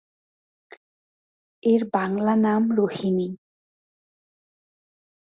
এর বাংলা নাম রোহিণী।